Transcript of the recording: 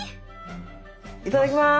いただきます。